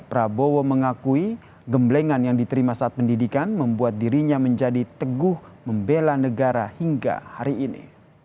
prabowo mengakui gemblengan yang diterima saat pendidikan membuat dirinya menjadi teguh membela negara hingga hari ini